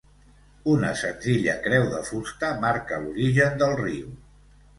Una senzilla creu de fusta marca l'origen del riu.